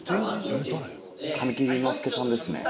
神木隆之介さんですね。